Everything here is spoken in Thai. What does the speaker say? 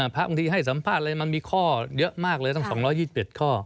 บางทีให้สัมภาษณ์อะไรมันมีข้อเยอะมากเลยตั้ง๒๒๗ข้อ